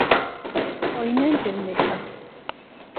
Oyina ente mmeka?